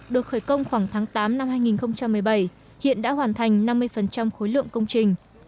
được khởi công khoảng tháng tám năm hai nghìn một mươi bảy hiện đã hoàn thành năm mươi khối lượng công trình